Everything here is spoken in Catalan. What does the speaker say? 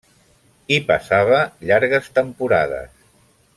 Hi passava llargues temporades.